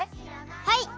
はい！